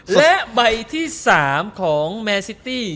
และใบที่๓ของแมนซิตี้